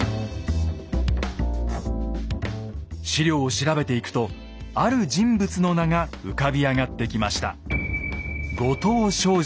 史料を調べていくとある人物の名が浮かび上がってきました。